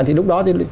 thì lúc đó